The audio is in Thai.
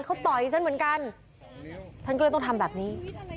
เขาต่อยฉันเหมือนกันฉันก็เลยต้องทำแบบนี้